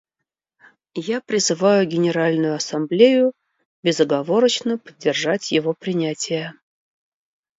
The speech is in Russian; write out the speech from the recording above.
Я призываю Генеральную Ассамблею безоговорочно поддержать его принятие.